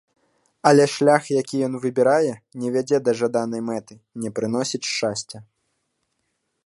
Але шлях, які ён выбірае, не вядзе да жаданай мэты, не прыносіць шчасця.